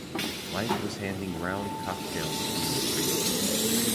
Life was handing round cocktails in the street!